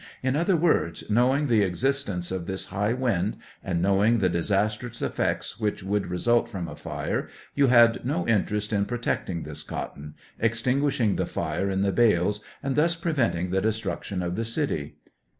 In other words, knowing the existence of this high wind, and knowing the disastrous effects which would result from a fire, you had no interest in pro tecting this cotton — extinguishing the, fire in the bales, and thus preventing the destruction of the city?